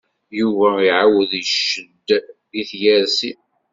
Yuba iɛawed ccedd i tyersi.